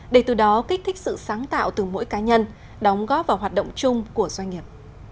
để từ đó kích thích sự sáng tạo từ mỗi cá nhân đóng góp vào hoạt động chung của doanh nghiệp